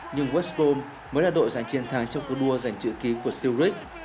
nhưng west brom mới là đội giành chiến thắng trong cuộc đua giành chữ ký của sturridge